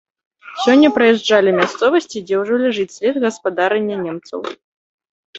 Сёння праязджалі мясцовасці, дзе ўжо ляжыць след гаспадарання немцаў.